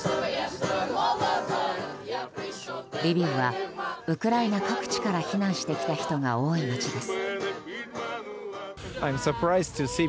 リビウはウクライナ各地から避難してきた人が多い街です。